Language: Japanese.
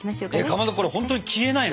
かまどこれほんとに消えないの？